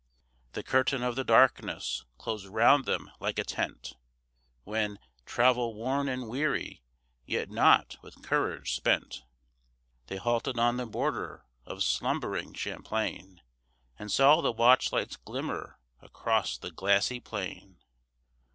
The curtain of the darkness closed 'round them like a tent, When, travel worn and weary, yet not with courage spent, They halted on the border of slumbering Champlain, And saw the watch lights glimmer across the glassy plain.